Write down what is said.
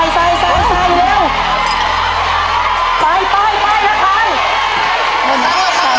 มันจะตามให้ดูพอนะครับ